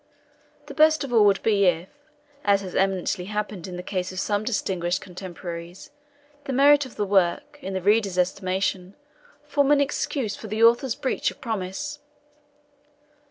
The best of all would be, if, as has eminently happened in the case of some distinguished contemporaries, the merit of the work should, in the reader's estimation, form an excuse for the Author's breach of promise.